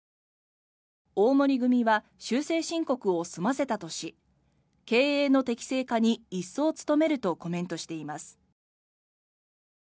大森組は修正申告を済ませたとし経営の適正化に一層努めるとコメントしています。